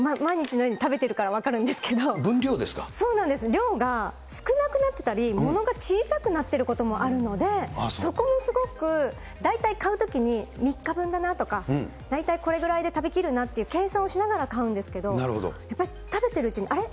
量が少なくなってたり、ものが小さくなってることもあるので、そこもすごく大体買うときに、３日分だなとか、大体これぐらいで食べきるなっていう計算をしながら買うんですけど、やっぱり食べてるうちに、あれ？